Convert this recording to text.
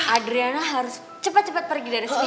adriana harus cepat cepat pergi dari sini